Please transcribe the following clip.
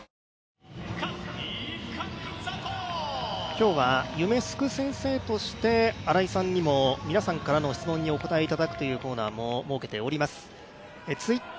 ＪＴ今日は夢すく先生として新井さんにも皆さんからの質問にお答えいただくコーナーも設けています。